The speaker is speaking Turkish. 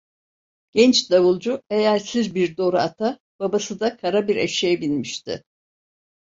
Genç davulcu eyersiz bir doru ata, babası da kara bir eşeğe binmişti.